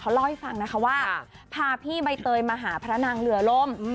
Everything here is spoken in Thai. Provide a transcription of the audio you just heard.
เล่าให้ฟังนะคะว่าพาพี่ใบเตยมาหาพระนางเรือล่ม